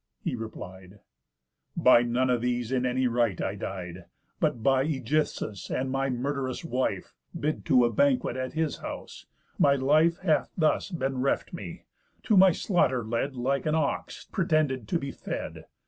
He replied: 'By none of these in any right I died, But by Ægisthus and my murd'rous wife (Bid to a banquet at his house) my life Hath thus been reft me, to my slaughter led Like to an ox pretended to be fed.